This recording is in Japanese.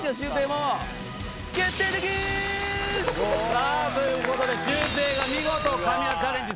さあということでシュウペイが見事神業チャレンジ